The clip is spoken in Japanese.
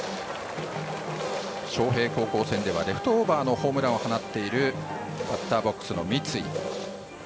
昌平高校戦ではレフトオーバーのホームランを放っているバッターボックスの三井。